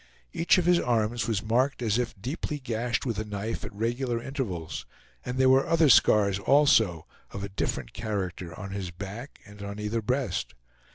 Each of his arms was marked as if deeply gashed with a knife at regular intervals, and there were other scars also, of a different character, on his back and on either breast.